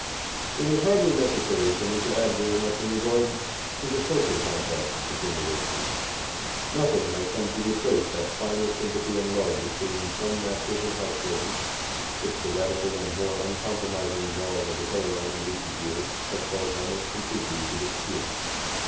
It is hardly necessary for me to add very much in regard to the social contact between the races. Nothing has come to replace that finer sympathy and love between some masters and house servants which the radical and more uncompromising drawing of the color line in recent years has caused almost completely to disappear.